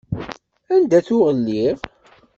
Anda tuɣ lliɣ?